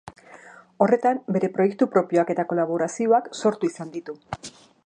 Horretan bere proiektu propioak eta kolaborazioak sortu izan ditu.